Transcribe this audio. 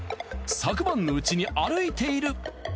昨晩のうちに歩いている。